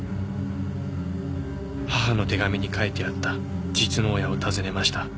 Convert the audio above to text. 母の手紙に書いてあった実の親を訪ねました。